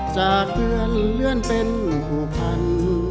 จะเคลื่อนเลื่อนเป็นผู้พันธ์